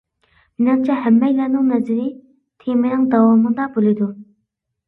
مېنىڭچە ھەممەيلەننىڭ نەزىرى تېمىنىڭ داۋامىدا بولىدۇ.